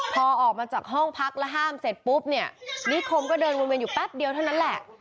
พอออกมาจากห้องพักแล้วห้ามเสร็จปุ๊บเนี่ยนิคมก็เดินวนเวียนอยู่แป๊บเดียวเท่านั้นแหละ